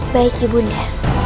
baik ibu nda